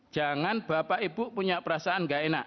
jangan bapak ibu punya perasaan gak enak